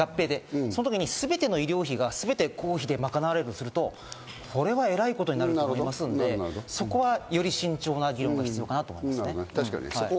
すべての医療費が公費で賄われるとすると、これはえらいことになると思いますので、そこはより慎重な議論が必要かなと思います。